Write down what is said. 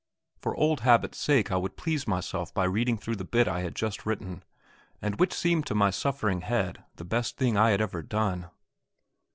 For old habit's sake I would please myself by reading through the bit I had just written, and which seemed to my suffering head the best thing I had ever done.